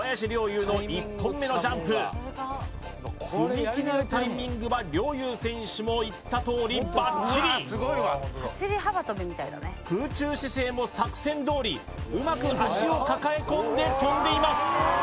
侑の１本目のジャンプ踏み切りのタイミングは陵侑選手も言ったとおりバッチリ空中姿勢も作戦どおりうまく足を抱え込んで跳んでいます